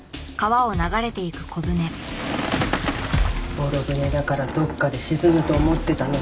ボロ舟だからどっかで沈むと思ってたのに。